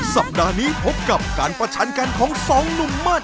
สัปดาห์นี้พบกับการประฉันกันของ๒หนุ่มมาด